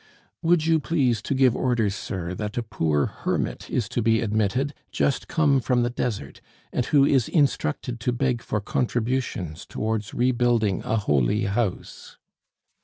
"Would you please to give orders, sir, that a poor hermit is to be admitted, just come from the Desert, and who is instructed to beg for contributions towards rebuilding a holy house."